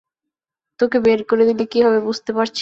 তোকে বের করে দিলে কি হবে বুঝতে পারছিস?